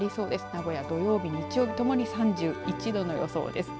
名古屋、土曜日、日曜日ともに３１度の予想です。